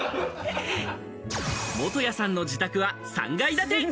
元谷さんの自宅は３階建て。